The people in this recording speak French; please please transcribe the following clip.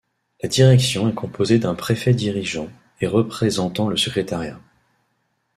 La direction est composé d'un préfet dirigeant et représentant le secrétariat.